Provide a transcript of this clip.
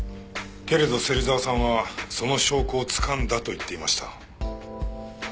けれど芹沢さんはその証拠を掴んだと言っていました。